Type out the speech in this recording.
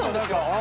あ！